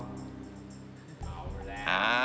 เขาแล้ว